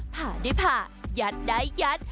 ผ่าได้ผ่ายัดได้ยัด